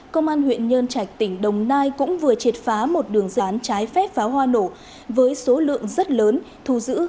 công an huyện nhân trạch tỉnh đồng nai cũng vừa triệt phá một đường dán trái phép pháo hoa nổ với số lượng rất lớn thu giữ gần ba trăm linh kg